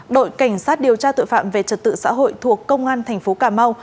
đội cảnh sát điều tra tội phạm về trật tự xã hội thuộc công an tp cà mau